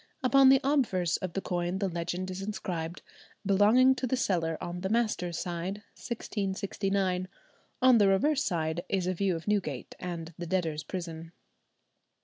Upon the obverse of the coin the legend is inscribed: "Belonging to the cellar on the master's side, 1669;" on the reverse side is a view of Newgate and the debtors' prison.